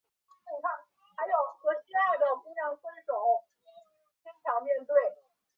开启了台湾桧木经由日本三菱株式会社外销独占日本市场十余年的荣景。